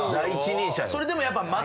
それでもやっぱ。